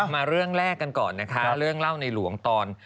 มาเรื่องแรกกันก่อนนะคะเรื่องเล่าในหลวงตอน